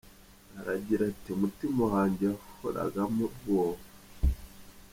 Agira ati “Umutima wanjye wahoragamo ubwoba.